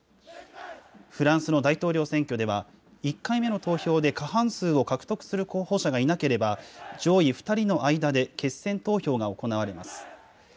フランスの大統領選挙では、１回目の投票で過半数を獲得する候補者がいなければ、上位２人の間で決選投票が行われます。